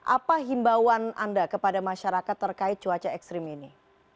apa himbauan anda kepada masyarakat terkait cuaca ekstrim ini